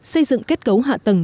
xây dựng kết cấu hạ tầng